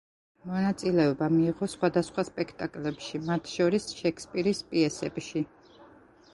მონაწილეობა მიიღო სხვადასხვა სპექტაკლებში, მათ შორის შექსპირის პიესებში.